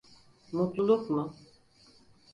Mutluluk mu?